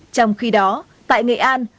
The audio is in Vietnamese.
trong khi đó tại nghệ an